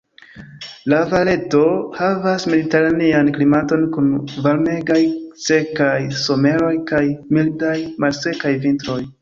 La Valeto havas mediteranean klimaton kun varmegaj, sekaj someroj kaj mildaj, malsekaj vintroj.